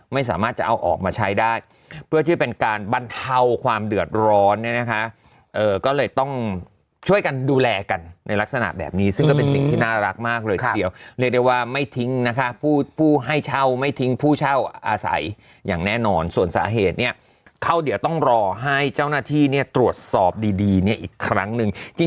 ไม่สามารถจะเอาออกมาใช้ได้เพื่อที่เป็นการบรรเทาความเดือดร้อนเนี่ยนะคะก็เลยต้องช่วยกันดูแลกันในลักษณะแบบนี้ซึ่งก็เป็นสิ่งที่น่ารักมากเลยทีเดียวเรียกได้ว่าไม่ทิ้งนะคะผู้ให้เช่าไม่ทิ้งผู้เช่าอาศัยอย่างแน่นอนส่วนสาเหตุเนี่ยเขาเดี๋ยวต้องรอให้เจ้าหน้าที่เนี่ยตรวจสอบดีดีเนี่ยอีกครั้งหนึ่งที่